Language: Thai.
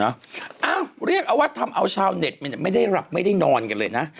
เอ้าเรียกเอาว่าทำเอาชาวเน็ตไม่ได้หลับไม่ได้นอนกันเลยนะ